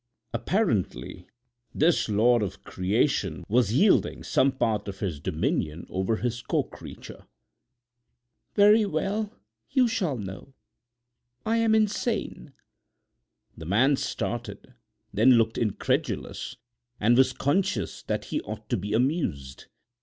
Apparently this lord of creation was yielding some part of his dominion over his co creature. "Very well, you shall know: I am insane." The man started, then looked incredulous and was conscious that he ought to be amused.